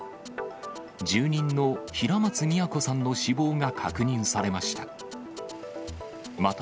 住人の平松美也子さんの死亡が確認されました。